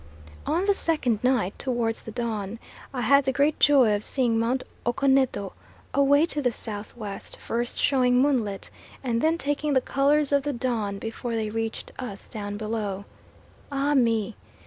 On the second night, towards the dawn, I had the great joy of seeing Mount Okoneto, away to the S.W., first showing moonlit, and then taking the colours of the dawn before they reached us down below. Ah me!